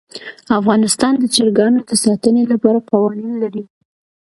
افغانستان د چرګانو د ساتنې لپاره قوانین لري.